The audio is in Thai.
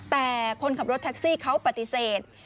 แต่คนขับรถแท็กซี่เขาปฏิเสธ